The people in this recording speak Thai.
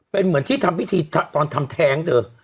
เป็นเหมือนที่ทำพิธีตอนทำแท้งเธอ